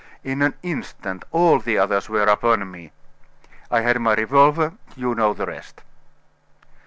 In an instant all the others were upon me! I had my revolver you know the rest."